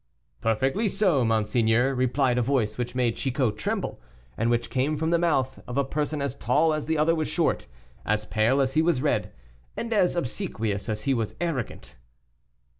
"Perfectly so, monseigneur," replied a voice which made Chicot tremble, and which came from the mouth of a person as tall as the other was short, as pale as he was red, and as obsequious as he was arrogant.